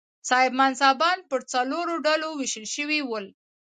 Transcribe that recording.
صاحب منصبان پر څلورو ډلو وېشل شوي ول.